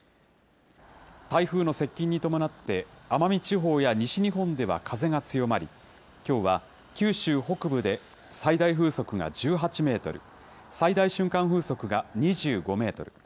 台風の接近に伴って、奄美地方や西日本では風が強まり、きょうは九州北部で最大風速が１８メートル、最大瞬間風速が２５メートル。